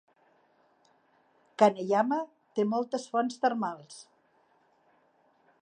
Kaneyama té moltes fonts termals.